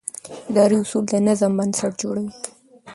اداري اصول د نظم بنسټ جوړوي.